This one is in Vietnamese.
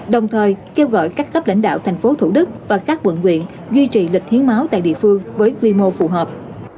đồng thời kêu gọi các cấp lãnh đạo thành phố thủ đức và các quận viện duy trì lịch hiến máu tại địa phương với quy mô phù hợp